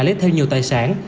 lấy thêm nhiều tài sản